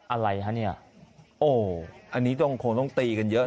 อะไรฮะเนี่ยอันนี้คงต้องตีกันเยอะหน่อย